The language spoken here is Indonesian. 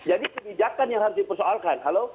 jadi kebijakan yang harus dipersoalkan halo